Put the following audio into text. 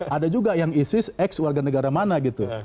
ada juga yang isis x warga negara mana gitu